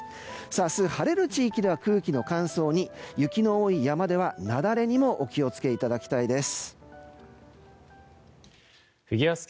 明日、晴れる地域では空気の乾燥に雪の多い山では雪崩にもお気を付けいただきたいです。